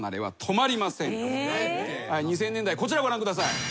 ２０００年代こちらご覧ください。